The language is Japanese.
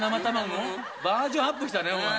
バージョンアップしたねお前。